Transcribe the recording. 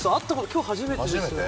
今日初めてです。